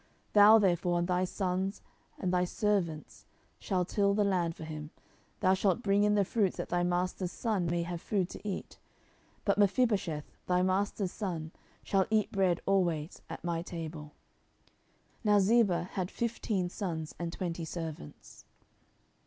10:009:010 Thou therefore, and thy sons, and thy servants, shall till the land for him, and thou shalt bring in the fruits, that thy master's son may have food to eat: but Mephibosheth thy master's son shall eat bread alway at my table. Now Ziba had fifteen sons and twenty servants.